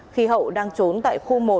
khi hậu đang trốn tại khu một